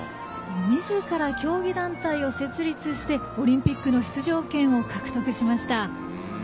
みずから競技団体を設立してオリンピックの出場権を獲得しました。